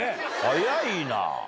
早いな！